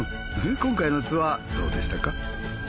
今回のツアーどうでしたか？